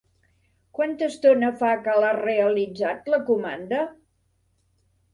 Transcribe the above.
Quanta estona fa que l'ha realitzat, la comanda?